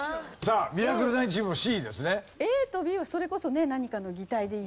ミラクル９チームもＣですね。